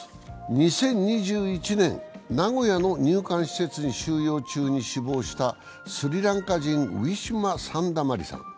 ２０２１年、名古屋の入管施設に収容中に死亡したスリランカ人、ウィシュマ・サンダマリさん。